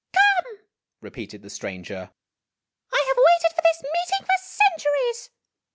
"Come," repeated the stranger; "I have waited for this meet ing for centuries.